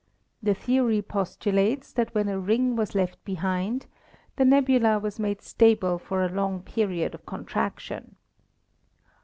The theory postulates that when a ring was left behind, the nebula was made stable for a long period of contraction.